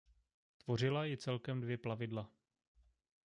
Tvořila ji celkem dvě plavidla.